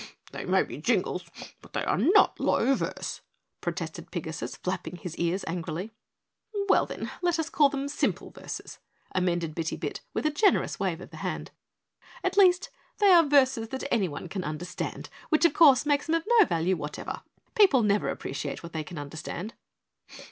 "They may be jingles, but they are NOT low verse," protested Pigasus, flapping his ears angrily. "Well, then, let us call them simple verses," amended Bitty Bit with a generous wave of the hand, "at least they are verses that anyone can understand, which, of course, makes them of no value whatever. People never appreciate what they can understand."